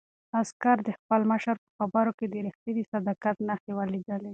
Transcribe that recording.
عسکر د خپل مشر په خبرو کې د رښتیني صداقت نښې ولیدلې.